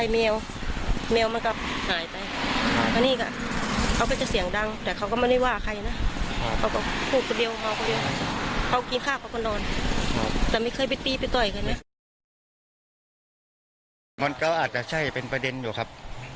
มันก็อาจจะใช่เป็นประเด็นอยู่ครับ